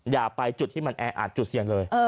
อย่าไปจุดที่มันแออัดจุดเสี่ยงเลย